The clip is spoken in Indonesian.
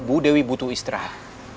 bu dewi butuh istirahat